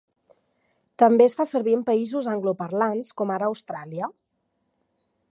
També es fa servir en països angloparlants com ara Austràlia.